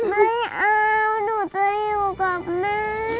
ไม่เอาหนูจะอยู่กับแม่